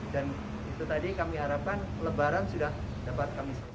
dan itu tadi kami harapkan lebaran sudah dapat kami selesaikan